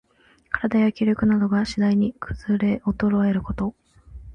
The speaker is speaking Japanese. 身体や気力などが、しだいにくずれおとろえること。